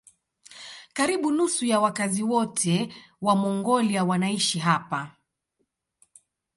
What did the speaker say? Karibu nusu ya wakazi wote wa Mongolia wanaishi hapa.